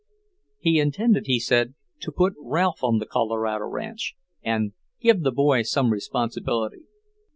He intended, he said, to put Ralph on the Colorado ranch and "give the boy some responsibility."